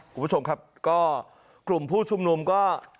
คุณผู้ชมครับก็กลุ่มผู้ชุมนุมก็